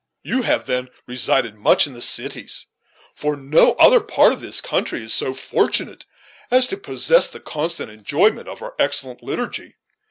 You have, then, resided much in the cities, for no other part of this country is so fortunate as to possess the constant enjoyment of our excellent liturgy."